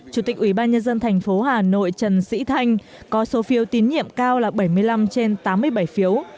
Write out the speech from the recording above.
chủ tịch ubnd tp hà nội trần sĩ thanh có số phiêu tín nhiệm cao là bảy mươi năm trên tám mươi bảy phiếu